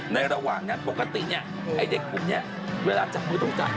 ในระว่างและปกติไอ้เด็กผมเวลาจับมือต้องจ่าย